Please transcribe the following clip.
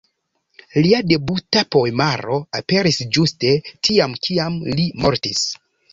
Lia debuta poemaro aperis ĝuste tiam, kiam li mortis.